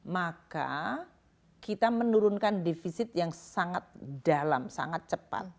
maka kita menurunkan defisit yang sangat dalam sangat cepat